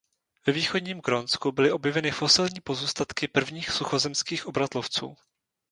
Ve východním Grónsku byly objeveny fosilní pozůstatky prvních suchozemských obratlovců.